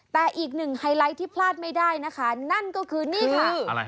แต่อีกหนึ่งไฮไลท์ที่พลาดไม่ได้นะคะนั่นก็คือนี่ค่ะ